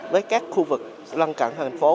với các khu vực lân cận thành phố